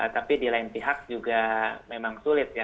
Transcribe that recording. tapi di lain pihak juga memang sulit ya